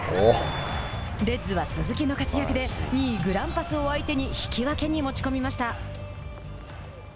レッズは鈴木の活躍で２位グランパスを相手にひき分けに持ち込みました。